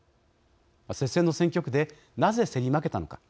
接戦の選挙区でなぜ競り負けたのか。